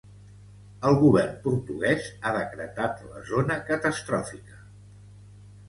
El govern portuguès ha decretat la zona catastròfica.